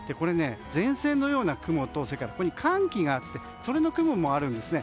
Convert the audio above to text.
前線のような雲と寒気があってそれの雲もあるんですね。